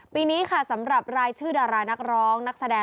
ปีนี้ค่ะสำหรับรายชื่อดารานักร้องนักแสดง